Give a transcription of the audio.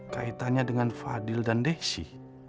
kaitannya dengan fadil dan deksi